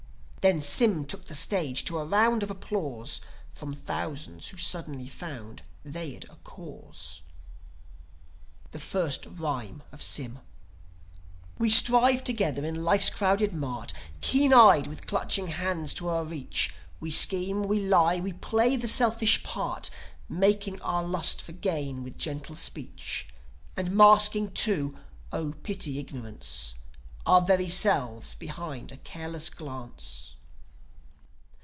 Then Sym took the stage to a round of applause From thousands who suddenly found they'd a Cause. THE FIRST RHYME OF SYM We strive together in life's crowded mart, Keen eyed, with clutching hands to over reach. We scheme, we lie, we play the selfish part, Masking our lust for gain with gentle speech; And masking too O pity ignorance! Our very selves behind a careless glance.